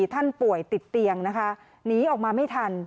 ท่านป่วยติดเตียงนะคะหนีออกมาไม่ทัน